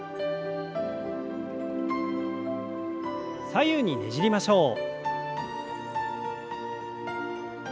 左右にねじりましょう。